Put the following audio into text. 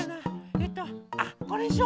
えっとあこれにしよう！